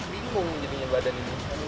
bingung jadinya badan ini